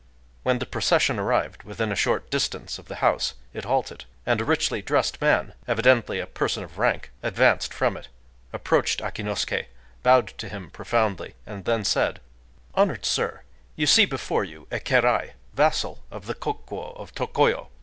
When the procession arrived within a short distance of the house it halted; and a richly dressed man—evidently a person of rank—advanced from it, approached Akinosuké, bowed to him profoundly, and then said:— "Honored Sir, you see before you a kérai [vassal] of the Kokuō of Tokoyo.